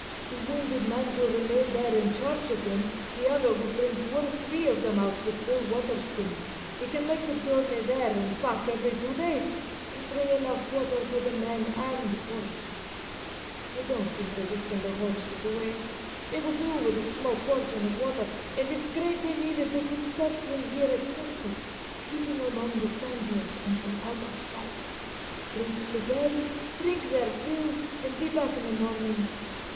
The wounded man will remain there in charge of them, the other will bring two or three of them out with full water skins; he can make the journey there and back every two days and can bring enough water for the men and horses. I don't think they will send the horses away. They will do with a small portion of water, and if greatly needed they could start from here at sunset, keeping among the sand hills until out of sight, reach the wells, drink their fill, and be back in the morning.